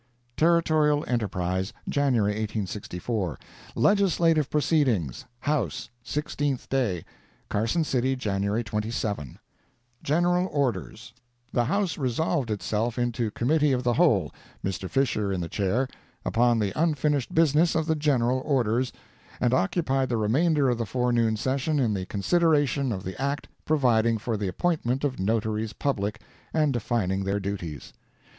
Territorial Enterprise, January 1864 LEGISLATIVE PROCEEDINGS HOUSE—SIXTEENTH DAY Carson City, January 27 GENERAL ORDERS The House resolved itself into Committee of the Whole, Mr. Fisher in the chair, upon the unfinished business of the general orders, and occupied the remainder of the forenoon session in the consideration of the Act providing for the appointment of Notaries Public and defining their duties.